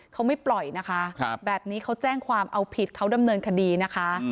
เขาไม่ปล่อยนะคะแบบนี้เขาแจ้งความเอาผิดเขาดำเนินคดีนะคะ